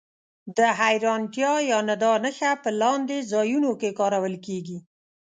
د حېرانتیا یا ندا نښه په لاندې ځایونو کې کارول کیږي.